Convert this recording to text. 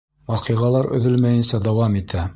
Ваҡиғалар өҙөлмәйенсә дауам итә.